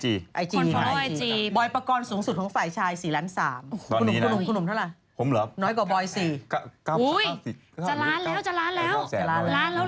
จะร้านแล้วร้านแล้วเลี้ยงอะไรป่าวค่ะ